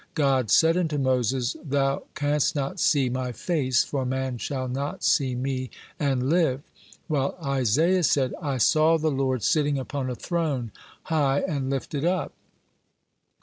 God said unto Moses: "Thou canst not see My face; for man shall not see Me and live"; while Isaiah said: "I saw the Lord sitting upon a throne, high and lifted up."